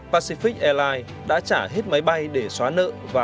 pacific airlines đã trả hết tiền